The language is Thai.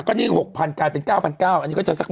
๘อ่ะก็นี่๖๐๐๐กลายเป็น๙๙๐๐อันนี้ก็จะสัก๑๕๐๐๐